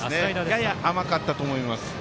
やや甘かったと思います。